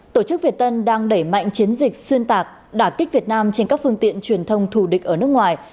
tổ chức việt tân đang đẩy mạnh chiến dịch xuyên tạc đả kích việt nam trên các phương tiện truyền thông thù địch ở nước ngoài